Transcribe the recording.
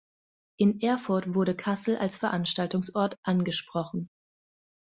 In Erfurt wurde Kassel als Veranstaltungsort angesprochen.